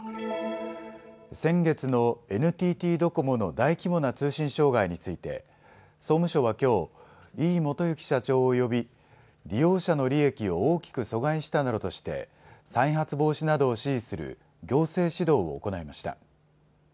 先月のＮＴＴドコモの大規模な通信障害について総務省はきょう、井伊基之社長を呼び利用者の利益を大きく阻害したなどとして再発防止などを指示する行政指導を行いました。